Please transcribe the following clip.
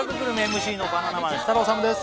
ＭＣのバナナマン設楽統です